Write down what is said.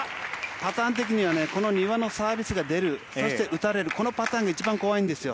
パターン的には丹羽のサービスが出るそして打たれるこのパターンが一番怖いんです。